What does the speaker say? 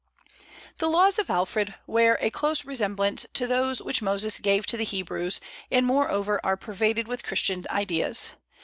The laws of Alfred wear a close resemblance to those which Moses gave to the Hebrews, and moreover are pervaded with Christian ideas.